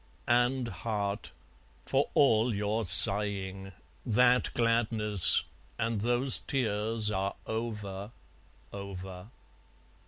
(And, heart, for all your sighing, That gladness and those tears are over, over.